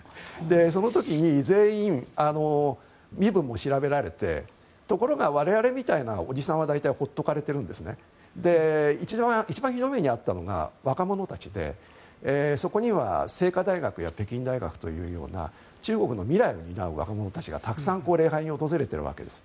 その時に全員、身分も調べられてところが我々みたいなおじさんは大体、放っておかれているんです一番ひどい目に遭ったのが若者たちでそこには清華大学や北京大学というような中国の未来を担う若者たちがたくさん礼拝に訪れているわけです。